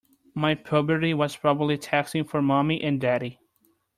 My puberty was probably taxing for mommy and daddy.